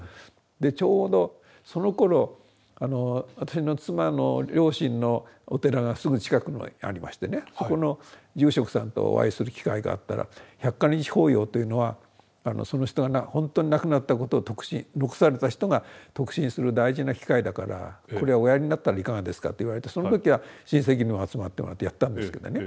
でちょうどそのころ私の妻の両親のお寺がすぐ近くにありましてねそこの住職さんとお会いする機会があったら百箇日法要というのはその人がほんとに亡くなったことを残された人が得心する大事な機会だからこれおやりになったらいかがですかって言われてその時は親戚にも集まってもらってやったんですけどね。